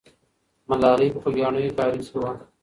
ملالۍ په خوګیاڼیو کارېز کې وه.